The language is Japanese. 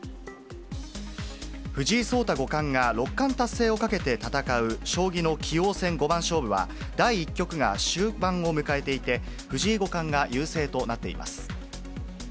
藤井聡太五冠が六冠達成をかけて戦う将棋の棋王戦五番勝負は、第１局が終盤を迎えていて、藤井五冠が優勢となっています。